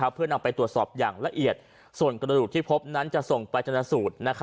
เพื่อนำไปตรวจสอบอย่างละเอียดส่วนกระดูกที่พบนั้นจะส่งไปจนสูตร